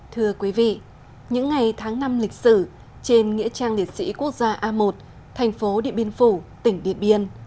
thưa quý vị những ngày tháng năm lịch sử trên nghĩa trang liệt sĩ quốc gia a một thành phố điện biên phủ tỉnh điện biên